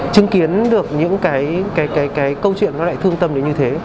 chứng kiến được những cái câu chuyện nó lại thương tâm đến như thế